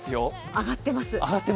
上がってます。